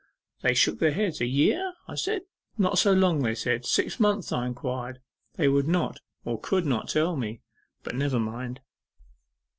They shook their heads. A year? I said. Not so long, they said. Six months? I inquired. They would not, or could not, tell me. But never mind.